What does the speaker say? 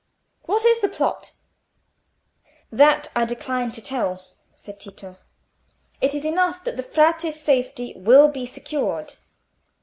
"What is the plot?" "That I decline to tell," said Tito. "It is enough that the Frate's safety will be secured."